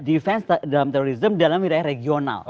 defense dalam terorisme dalam wilayah regional